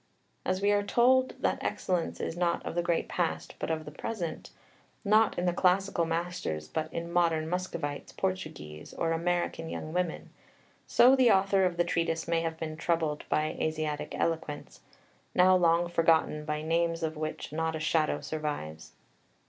As we are told that excellence is not of the great past, but of the present, not in the classical masters, but in modern Muscovites, Portuguese, or American young women, so the author of the Treatise may have been troubled by Asiatic eloquence, now long forgotten, by names of which not a shadow survives.